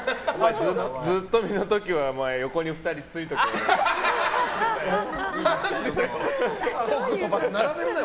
ずっとみの時は横に２人ついとけよ。